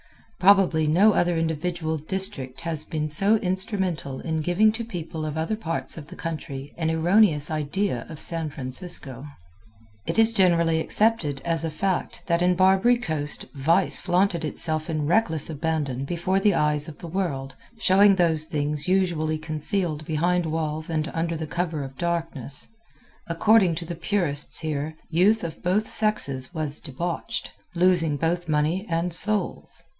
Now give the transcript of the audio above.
Probably no other individual district has been so instrumental in giving to people of other parts of the country an erroneous idea of San Francisco. It is generally accepted as a fact that in Barbary Coast Vice flaunted itself in reckless abandon before the eyes of the world, showing those things usually concealed behind walls and under cover of the darkness. According to the purists here youth of both sexes was debauched, losing both money and souls.